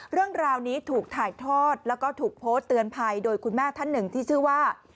เรื่องราวนี้ถูกถ่ายทอดแล้วก็ถูกโพสต์เตือนภัยโดยคุณแม่ท่านหนึ่งที่ชื่อว่า